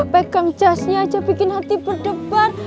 pegang jasnya aja bikin hati berdebar